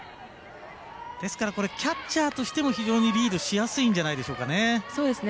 ですから、キャッチャーとしても非常にリードしやすいんじゃないでしょうかね。